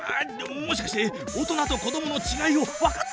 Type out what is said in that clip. もしかして大人と子どものちがいをわかってないのか？